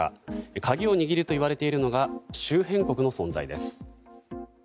鍵を握るといわれているのが周辺国の存在です。